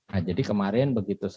nah jadi kemarin begitu